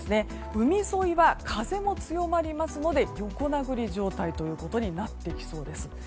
海沿いでは風も強まりますので横殴り状態となってきそうです。